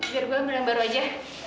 biar gue ambil yang baru aja